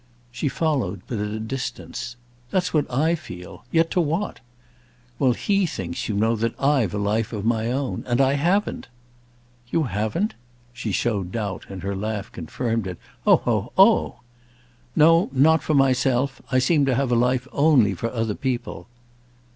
She followed, but at a distance. "That's what I feel. Yet to what?" "Well, he thinks, you know, that I've a life of my own. And I haven't!" "You haven't?" She showed doubt, and her laugh confirmed it. "Oh, oh, oh!" "No—not for myself. I seem to have a life only for other people."